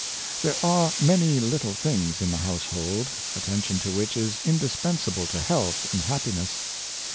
There are many little things in the household, atten tion to which is indispensable to health and happiness.